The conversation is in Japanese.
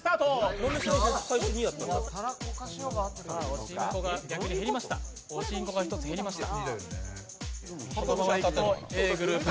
おしんこが逆に１つ減りました。